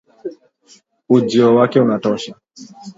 ujio wake unatosha